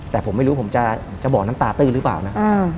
แต่ผมไม่รู้ผมจะบอกน้ำตาตื้อหรือเปล่านะ